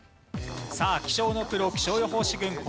さあ気象のプロ気象予報士軍